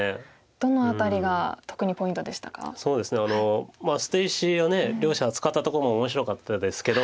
そうですね捨て石を両者使ったとこも面白かったですけど。